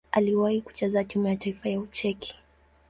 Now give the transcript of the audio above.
Aliwahi kucheza timu ya taifa ya Ucheki.